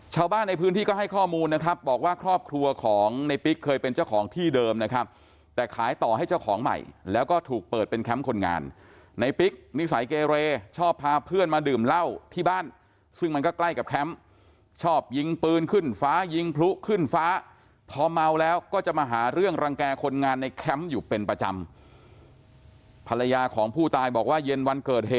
ชาวบ้านในพื้นที่ก็ให้ข้อมูลนะครับบอกว่าครอบครัวของในปิ๊กเคยเป็นเจ้าของที่เดิมนะครับแต่ขายต่อให้เจ้าของใหม่แล้วก็ถูกเปิดเป็นแคมป์คนงานในปิ๊กนิสัยเกเรชอบพาเพื่อนมาดื่มเหล้าที่บ้านซึ่งมันก็ใกล้กับแคมป์ชอบยิงปืนขึ้นฟ้ายิงพลุขึ้นฟ้าพอเมาแล้วก็จะมาหาเรื่องรังแก่คนงานในแคมป์อยู่เป็นประจำภรรยาของผู้ตายบอกว่าเย็นวันเกิดเหตุ